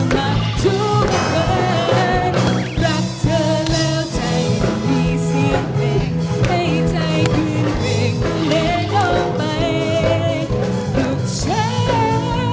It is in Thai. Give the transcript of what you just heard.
ไม่จ้าไม่ต้องจ้า